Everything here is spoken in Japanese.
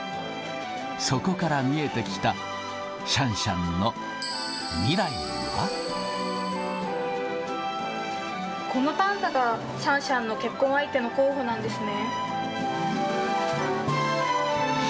そこから見えてきた、このパンダが、シャンシャンの結婚相手の候補なんですね。